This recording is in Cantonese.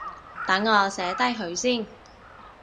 等我寫低佢先